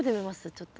ちょっと。